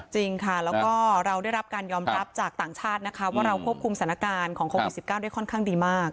จริงค่ะแล้วก็เราได้รับการยอมรับจากต่างชาตินะคะว่าเราควบคุมสถานการณ์ของโควิด๑๙ได้ค่อนข้างดีมาก